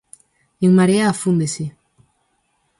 En Marea afúndese.